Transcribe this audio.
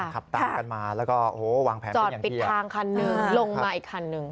ขับตังกันมาแล้วก็โหวางแผนเป็นอย่างเบียนจอดปิดทางคันนึงลงมาอีกคันนึง